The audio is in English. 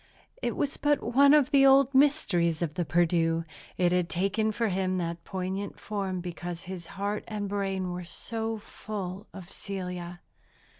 It was but one of the old mysteries of the Perdu; and it had taken for him that poignant form, because his heart and brain were so full of Celia.